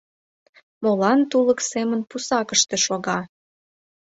Молан тулык семын пусакыште шога?